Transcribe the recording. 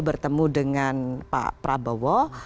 bertemu dengan pak prabowo